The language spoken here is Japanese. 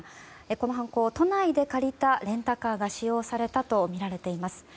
この犯行は都内で借りたレンタカーが使用されたとみられています。